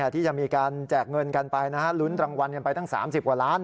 ที่จะมีการแจกเงินกันไปลุ้นรางวัลกันไปตั้ง๓๐กว่าล้าน